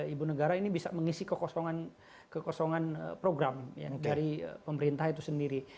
ibu negara ini bisa mengisi kekosongan program dari pemerintah itu sendiri